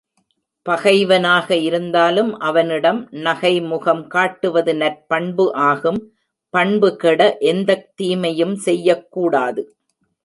பகைவனாக இருந்தாலும் அவனிடம் நகைமுகம் காட்டுவது நற்பண்பு ஆகும் பண்பு கெட எந்தத் தீமையும் செய்யக்கூடாது.